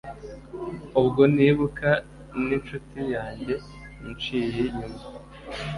ubwo nibuka n’inshuti yanjye inciye inyuma